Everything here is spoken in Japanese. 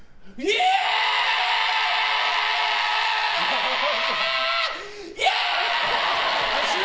イエーイ！！